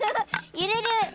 ゆれる！